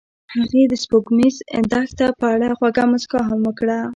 هغې د سپوږمیز دښته په اړه خوږه موسکا هم وکړه.